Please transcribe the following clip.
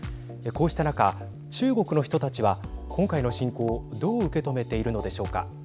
こうした中、中国の人たちは今回の侵攻を、どう受け止めているのでしょうか。